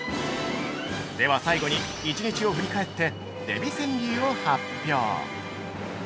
では最後に、一日を振り返ってデヴィ川柳を発表。